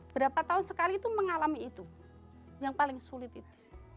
berapa tahun sekali itu mengalami itu yang paling sulit itu